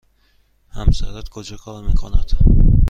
همسرت کجا کار می کند؟